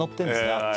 あっち